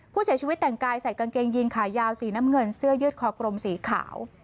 ผู้เสียชีวิตแต่งกายใส่กางเกงยีนขายาวสีน้ำเงินเสื้อยืดคอกลมสีขาว